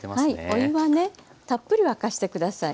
お湯はねたっぷり沸かしてください。